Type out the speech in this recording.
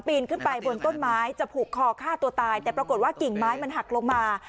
นขึ้นไปบนต้นไม้จะผูกคอฆ่าตัวตายแต่ปรากฏว่ากิ่งไม้มันหักลงมา